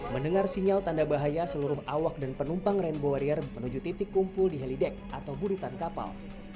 mendengar sinyal tanda bahaya seluruh awak dan penumpang rainbow warrior menuju titik kumpul di heli deck atau buritan kapal